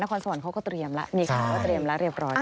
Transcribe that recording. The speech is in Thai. คอสวรรค์เขาก็เตรียมแล้วมีข่าวว่าเตรียมแล้วเรียบร้อยแล้ว